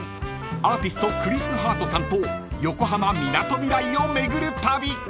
アーティストクリス・ハートさんと横浜みなとみらいを巡る旅］